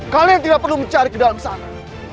kalian tidak perlu mencari ke dalam sana